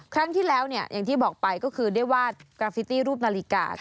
ครั้งที่แล้วเนี่ยอย่างที่บอกไปก็คือได้วาดกราฟิตี้รูปนาฬิกา